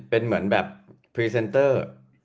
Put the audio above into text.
เป็นเหมือนแบบพรีเซนเตอร์